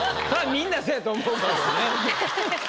みんなそやと思うけど。